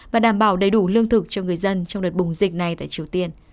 và đảm bảo đầy đủ lương thực cho người dân trong đợt bùng dịch này tại triều tiên